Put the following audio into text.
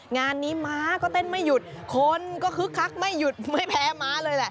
งานนี้ม้าก็เต้นไม่หยุดคนก็คึกคักไม่หยุดไม่แพ้ม้าเลยแหละ